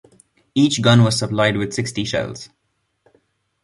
Each gun was supplied with sixty shells.